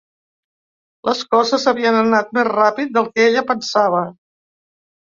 Les coses havien anat més ràpid del que ella pensava.